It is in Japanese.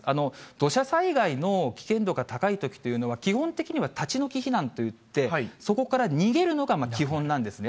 土砂災害の危険度が高いときというのは、基本的には立ち退き避難といって、そこから逃げるのが基本なんですね。